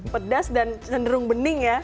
pedas dan cenderung bening ya